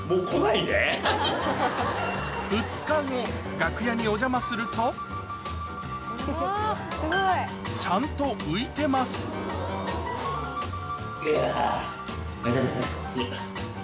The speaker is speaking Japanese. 楽屋にお邪魔するとちゃんと浮いてますあぁ！